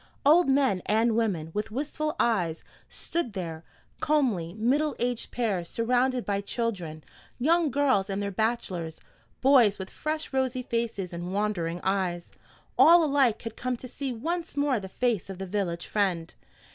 Old men and women, with wistful eyes, stood there; comely middle aged pairs, surrounded by children; young girls and their bachelors; boys with fresh rosy faces and wondering eyes, all alike had come to see once more the face of the village friend.